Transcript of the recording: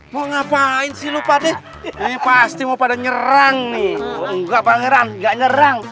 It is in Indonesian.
mau ngapain sih lupa deh ini pasti mau pada nyerang nih enggak pangeran enggak nyerang